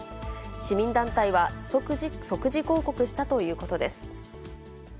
市民団体は、即時抗告したということです。